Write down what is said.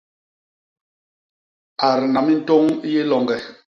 Adna mintôñ i yé loñge!